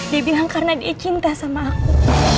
dia bilang karena dia cinta sama aku